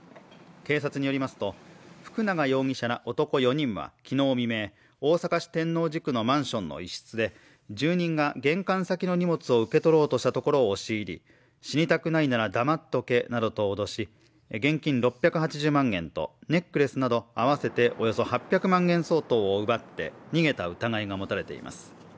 警察によりますと、福永容疑者ら男４人は昨日未明、大阪市天王寺区のマンションの一室で住人が玄関先の荷物を受け取ろうとしたところを押し入り死にたくないなら黙っとけなどと脅し現金６８０万円とネックレスなど合わせておよそ８００万円相当を奪って逃げた疑いが持たれています。